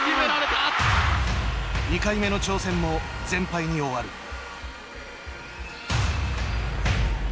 ２回目の挑戦も全敗に終わる。